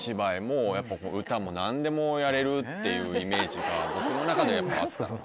何でもやれるっていうイメージが僕の中でやっぱあったので。